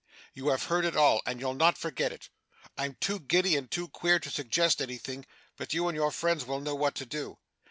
'You have heard it all, and you'll not forget it. I'm too giddy and too queer to suggest anything; but you and your friends will know what to do.